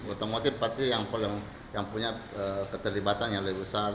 otomotif pasti yang punya keterlibatan yang lebih besar